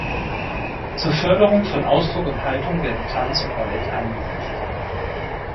Zur Förderung von Ausdruck und Haltung werden Tanz und Ballett eingesetzt.